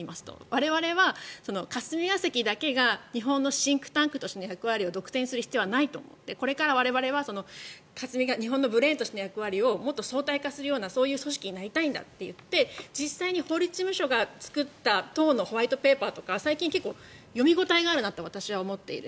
我々は霞が関だけが日本のシンクタンクとしての役割を独占する必要はないと思ってこれから我々は日本のブレーンとしての役割をもっと相対化するような組織になりたいんだといって実際に法律事務所が作った党のホワイトペーパーとか最近、結構読み応えがあるなと私は思っている。